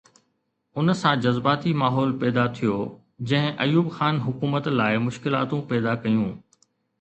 ان سان جذباتي ماحول پيدا ٿيو، جنهن ايوب خان حڪومت لاءِ مشڪلاتون پيدا ڪيون.